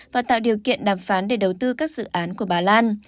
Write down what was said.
và tạo điều kiện đàm phán để đầu tư các dự án của bà lan